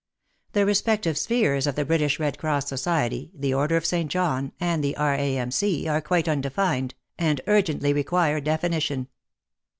The respective spheres of the British Red Cross Society, the Order of St, John, and the R.A.M.C. are quite undefined, and urgently require definition.